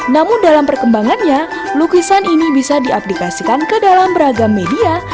namun dalam perkembangannya lukisan ini bisa diaplikasikan ke dalam beragam media